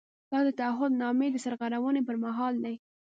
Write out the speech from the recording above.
دا د تعهد نامې د سرغړونې پر مهال دی.